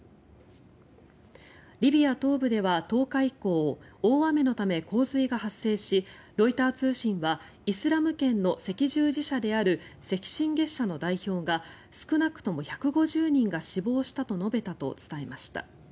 リビア東部では１０日以降大雨のため洪水が発生し、ロイター通信はイスラム圏の赤十字社である赤新月社の代表が少なくとも１５０人が死亡したと述べたと伝えました。